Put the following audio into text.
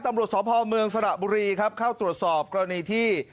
ตำรวจสพเมืองสระบุรีครับเข้าตรวจสอบกรณีที่